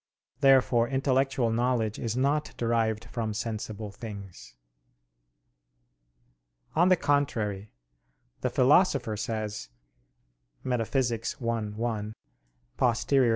Therefore intellectual knowledge is not derived from sensible things. On the contrary, The Philosopher says (Metaph. i, 1; Poster.